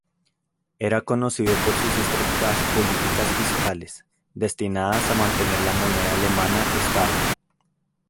Era conocido por sus estrictas políticas fiscales, destinadas a mantener la moneda alemana estable.